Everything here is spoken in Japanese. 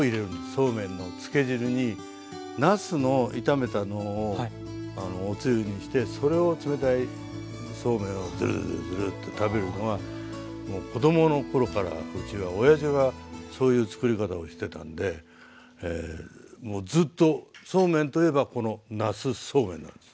そうめんのつけ汁になすの炒めたのをおつゆにしてそれを冷たいそうめんをズルズルズルッと食べるのはもう子供の頃からうちはおやじがそういうつくり方をしてたんでもうずっとそうめんといえばこのなすそうめんなんです。